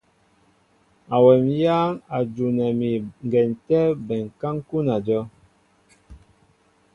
Awɛm éyáŋ a jona mi ŋgɛn tɛ́ bɛnká ń kúná ajɔ́w.